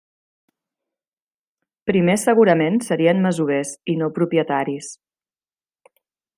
Primer, segurament, serien masovers i no propietaris.